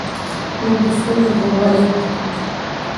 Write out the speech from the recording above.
موږ د سولې او ورورولۍ غوښتونکي یو.